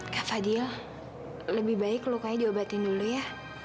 kak fadil lebih baik lo kayaknya diobatin dulu ya